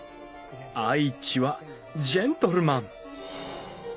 愛知はジェントルマン。